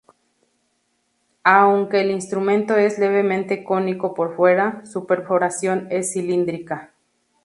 Aunque el instrumento es levemente cónico por fuera, su perforación es cilíndrica.